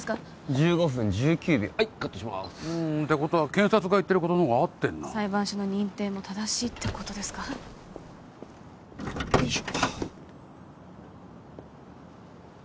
１５分１９秒はいカットしますてことは検察が言ってることの方が合ってるなあ裁判所の認定も正しいってことですかよいしょ